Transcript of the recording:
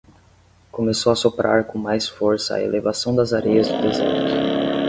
Começou a soprar com mais força a elevação das areias do deserto.